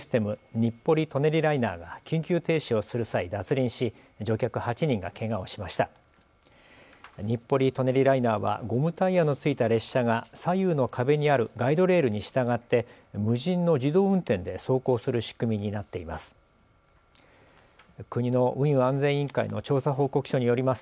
日暮里・舎人ライナーはゴムタイヤのついた列車が左右の壁にあるガイドレールに従って無人の自動運転で走行する仕組みになっています。